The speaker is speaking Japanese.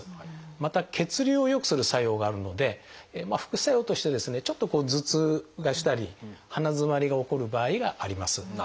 また血流を良くする作用があるので副作用としてですねちょっと頭痛がしたり鼻づまりが起こる場合があります。